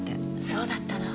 そうだったの。